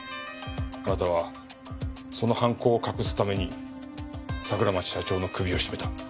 あなたはその犯行を隠すために桜町社長の首を絞めた。